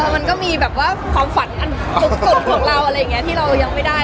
มันก็มีความฝันกลุ่มของเราที่เรายังไม่ได้